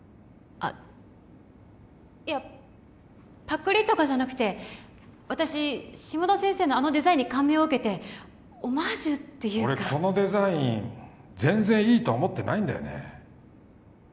あいやパクリとかじゃなくて私下田先生のあのデザインに感銘を受けてオマージュっていうか俺このデザイン全然いいと思ってないんだよね